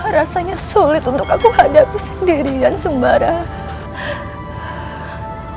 rasanya sulit untuk aku hadapi sendirian sembarang